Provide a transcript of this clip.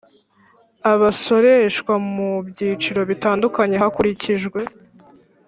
abasoreshwa mu byiciro bitandukanye hakurikijwe